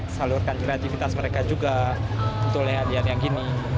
tentu salurkan kreativitas mereka juga untuk layar layar yang gini